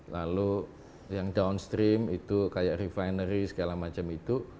lalu yang downstream itu kayak refinery segala macam itu